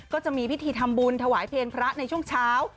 ก็จะมีพิธีทำบุญถวายเพลงพระในช่วงเช้า